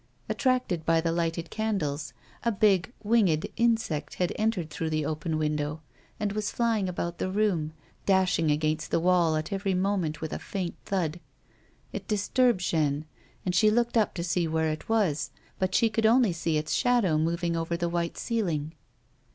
Attracted by the lighted candles, a big, winged insect had entered through the open window and was flying about the room, dashing against the wall at every moment with a faint thud. It disturbed Jeanne, and she looked up to see where it was, but she could only see its shadow moving over the white ceiling.